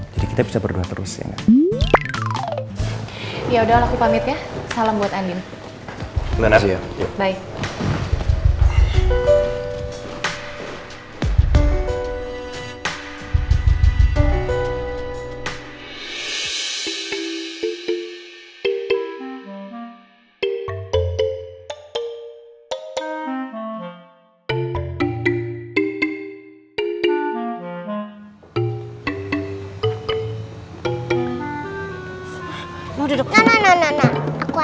jadi kita bisa berdua terus ya gak